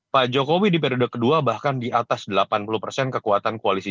pak jokowi di periode kedua bahkan di atas delapan puluh